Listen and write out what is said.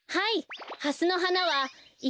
はい。